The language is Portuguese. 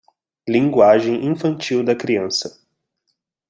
Linguagem infantil da criança